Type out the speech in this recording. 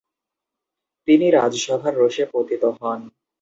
তিনি রাজসভার রোষে পতিত হন।